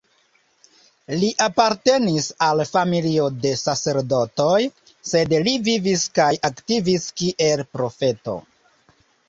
Li apartenis al familio de sacerdotoj; sed li vivis kaj aktivis kiel profeto.